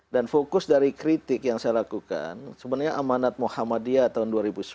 dan fokus dari kritik yang saya lakukan sebenarnya amanah muhammadiyah tahun dua ribu sepuluh